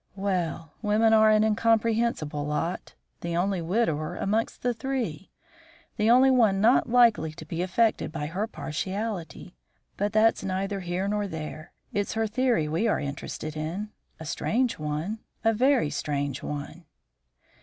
Well! women are an incomprehensible lot! The only widower amongst the three! The only one not likely to be affected by her partiality. But that's neither here nor there. It's her theory we are interested in. A strange one! A very strange one!"